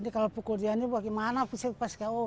kalau dia pukul dia ini bagaimana bisa ke delapan